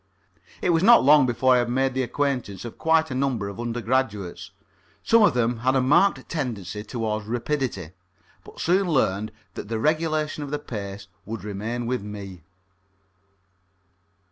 It was not long before I had made the acquaintance of quite a number of undergraduates. Some of them had a marked tendency towards rapidity, but soon learned that the regulation of the pace would remain with me.